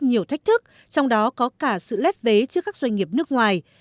nhiều thách thức trong đó có cả sự lép vế trước các doanh nghiệp nước ngoài